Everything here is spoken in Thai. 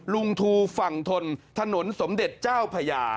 ลุงทูฝั่งทนถนนสมเด็จเจ้าพญา